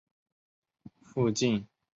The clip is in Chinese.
附近有圣昂布鲁瓦地铁站。